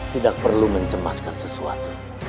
tidak perlu mencemaskan sesuatu